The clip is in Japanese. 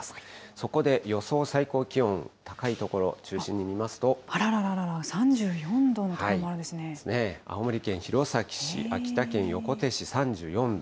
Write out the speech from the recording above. そこで予想最高気温、高い所、中あらららら、３４度の所もあ青森県弘前市、秋田県横手市３４度。